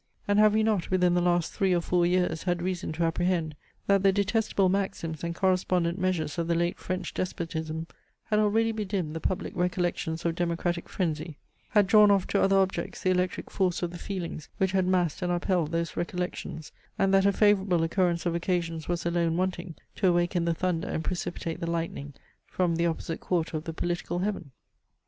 And have we not within the last three or four years had reason to apprehend, that the detestable maxims and correspondent measures of the late French despotism had already bedimmed the public recollections of democratic phrensy; had drawn off to other objects the electric force of the feelings which had massed and upheld those recollections; and that a favourable concurrence of occasions was alone wanting to awaken the thunder and precipitate the lightning from the opposite quarter of the political heaven?